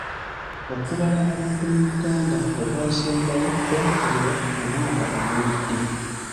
Okubala abantu mu Uganda okwasembayo kwakolebwa mu mwaka oguwedde.